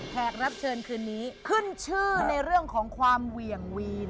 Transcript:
แขกรับเชิญคืนนี้ขึ้นชื่อในเรื่องของความเหวี่ยงวีน